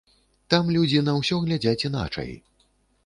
Там людзі на ўсё глядзяць іначай.